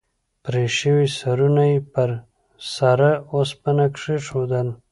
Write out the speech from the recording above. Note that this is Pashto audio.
پرې شوي سرونه یې پر سره اوسپنه کېښودل.